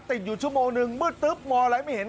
ติดอยู่ชั่วโมงนึงมืดตึ๊บมองอะไรไม่เห็น